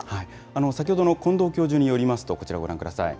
先ほどの近藤教授によりますと、こちらご覧ください。